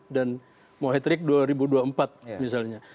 dan mau hat trick dua ribu dua puluh empat misalnya